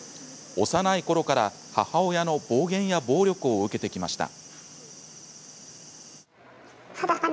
幼いころから母親の暴言や暴力を受けてきました。